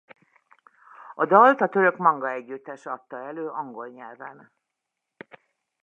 A dalt a török maNga együttes adta elő angol nyelven.